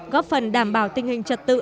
góp phần đảm bảo tình hình trật tự